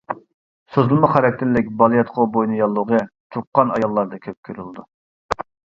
سوزۇلما خاراكتېرلىك بالىياتقۇ بوينى ياللۇغى تۇغقان ئاياللاردا كۆپ كۆرۈلىدۇ.